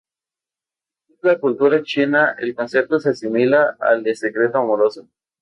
En la cultura china el concepto se asimila al de secreto amoroso.